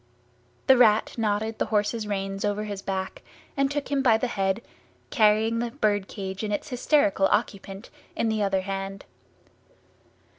The Rat knotted the horse's reins over his back and took him by the head, carrying the bird cage and its hysterical occupant in the other hand.